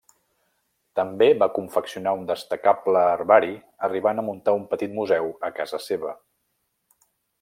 També va confeccionar un destacable herbari, arribant a muntar un petit museu a casa seva.